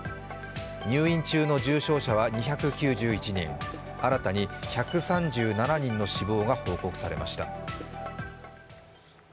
入院中の重症者は２９１人、新たに１３７人の死亡が報告されました。